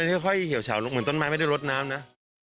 ไม่ค่อยเหี่ยวเฉาลงเหมือนต้นไม้ไม่ได้ลดน้ำนะ